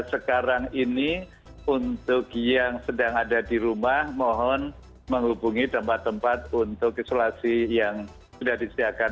jadi sekarang ini untuk yang sedang ada di rumah mohon menghubungi tempat tempat untuk isolasi yang sudah diselenggarakan